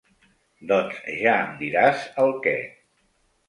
Doncs ja em diràs el què.